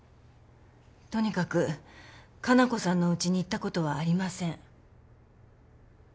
とにかく加奈子さんのうちに行ったことはありません。